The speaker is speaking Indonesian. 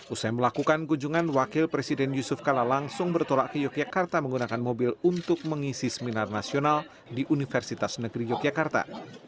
usai melakukan kunjungan wakil presiden yusuf kala langsung bertolak ke yogyakarta menggunakan mobil untuk mengisi seminar nasional di universitas negeri yogyakarta